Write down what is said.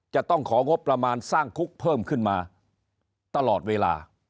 จะต้องของงบประมาณสร้างคุกเพิ่มขึ้นมาตลอดเวลา